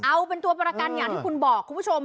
เอาเป็นตัวประกันอย่างที่คุณบอกคุณผู้ชม